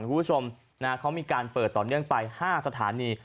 คุณผู้ชมเขามีการเปิดต่อเนื่องไป๕สถานี